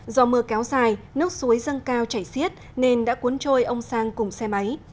do mưa kéo dài nước suối dâng cao chảy xiết nên đã cuốn trôi ông sang cùng xe máy